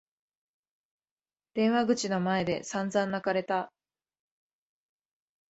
電話口の前で散々泣かれた。